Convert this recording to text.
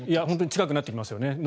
本当に近くなってきますよね。